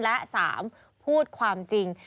และ๓พูดความจริง